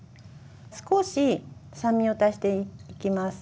少し酸味を足していきます。